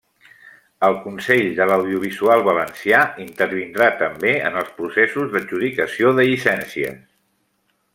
El Consell de l'Audiovisual Valencià intervindrà també en els processos d'adjudicació de llicències.